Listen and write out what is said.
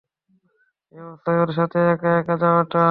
এই অবস্থায় ওর সাথে একা একা যাওয়াটা!